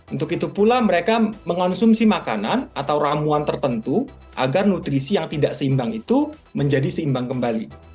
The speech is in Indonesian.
untuk itu pula mereka mengonsumsi makanan atau ramuan tertentu agar nutrisi yang tidak seimbang itu menjadi seimbang kembali